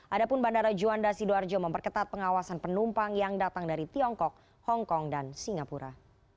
adapun bandara juanda sidoarjo memperketat pengawasan penumpang yang datang dari tiongkok hongkong dan singapura